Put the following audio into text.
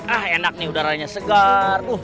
ah enak nih udaranya segar